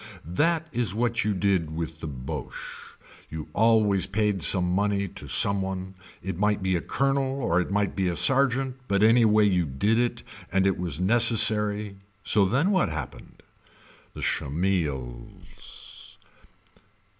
That is what you did with the Boche. You always paid some money to some one it might be a colonel or it might be a sergeant but anyway you did it and it was neccesary so then what happened. The Schemmels.